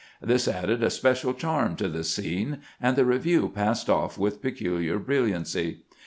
This added a special charm to the scene, and the review passed off with peculiar brilliancy.